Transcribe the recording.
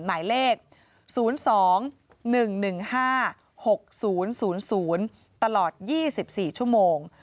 หมายเลข๐๒๑๑๕๖๐๐ตลอด๒๔ชั่วโมง